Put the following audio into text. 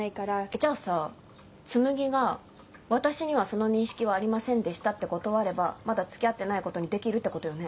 じゃあさつむぎが「私にはその認識はありませんでした」って断ればまだ付き合ってないことにできるってことよね？